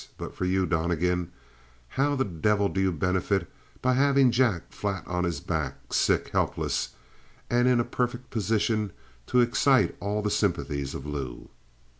But for you, Donnegan, how the devil do you benefit by having Jack flat on his back, sick, helpless, and in a perfect position to excite all the sympathies of Lou?"